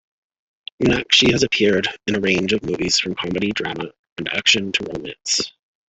Meenakshi has appeared in range of movies from comedy, drama, and action to romance.